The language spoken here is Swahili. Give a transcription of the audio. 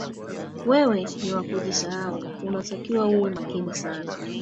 wewe ni wa kujisahau unatakiwa uwe makini sana